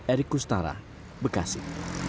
erik kustara bekasi